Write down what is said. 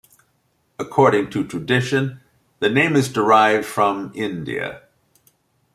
According to tradition, the name is derived from India.